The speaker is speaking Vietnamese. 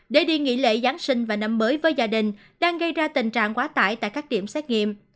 để đi nghỉ lễ giáng sinh và năm mới với gia đình đang gây ra tình trạng quá tải tại các điểm xét nghiệm